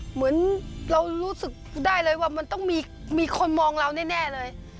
เหมือนเรารู้สึกได้เลยว่ามันต้องมีคนมองเราแน่เลย